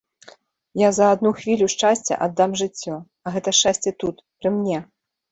Я за адну хвілю шчасця аддам жыццё, а гэта шчасце тут, пры мне.